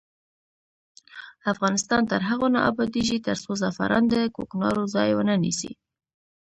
افغانستان تر هغو نه ابادیږي، ترڅو زعفران د کوکنارو ځای ونه نیسي.